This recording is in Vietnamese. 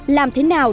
làm thế nào